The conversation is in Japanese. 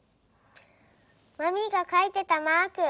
まみがかいてたマーク。